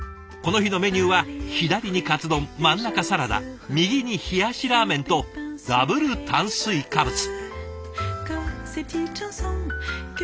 この日のメニューは左にかつ丼真ん中サラダ右に冷やしラーメンとダブル炭水化物。